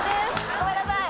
ごめんなさい。